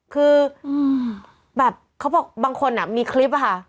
คือแบบเขาบอกบางคนมีคลิปอะค่ะ